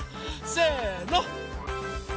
せの。